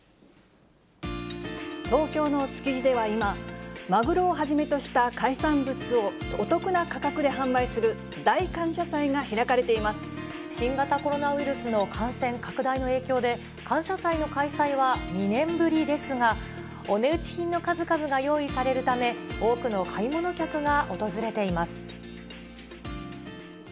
東京の築地では今、マグロをはじめとした海産物をお得な価格で販売する大感謝祭が開新型コロナウイルスの感染拡大の影響で、感謝祭の開催は２年ぶりですが、お値打ち品の数々が用意されるため、多くの買い物客が訪れています。